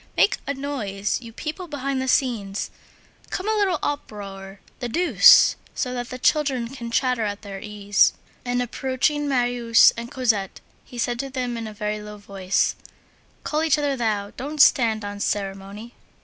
Make a noise, you people behind the scenes. Come, a little uproar, the deuce! so that the children can chatter at their ease." And, approaching Marius and Cosette, he said to them in a very low voice: "Call each other thou. Don't stand on ceremony."